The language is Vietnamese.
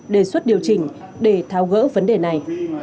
đề xuất điều chỉnh để tháo gỡ vấn đề này